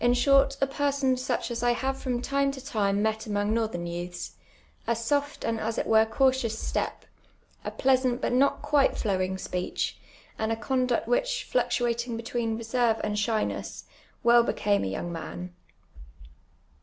shoit, a jK'ison siieh as I have from tinie to time met amoii^ iiortlurn youths : a soft and as it witc eautious stcj), a pKu .*<aiit but not (juite ilowin;; s|)eeeh, and a eonduct which, fluc tuating between reserve and shyness, well iK'came a younp; man.